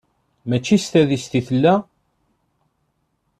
Mačci s tadist i tella?